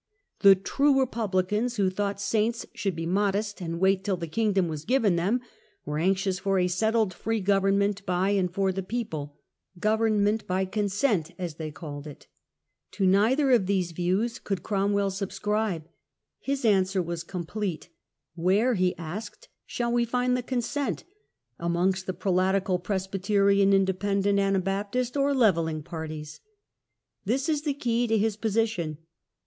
The true Republicans, who The new Con thought Saints should be modest and wait till stitutionai the kingdom was given them, were anxious for Problem. ^ settled free government by and for the people —" government by consent", as they called it. To neither of these views could Cromwell subscribe : his answer was complete. " Where," he asked, " shall we find the consent? Amongst the Prelatical, Presbyterian, Independent, Ana baptist, or Levelling parties?" This is the key to his position.